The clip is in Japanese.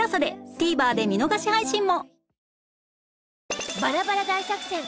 ＴＶｅｒ で見逃し配信も